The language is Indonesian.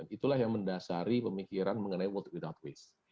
itulah yang mendasari pemikiran mengenai world without waste